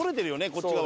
こっち側。